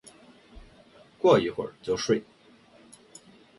过一会就睡